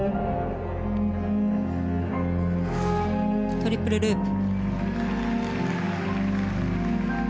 トリプルループ。